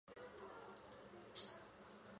平均月薪为两万八